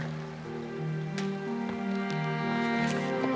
สู้ไหม